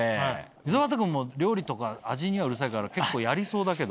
溝端君も料理とか味にはうるさいから結構やりそうだけど。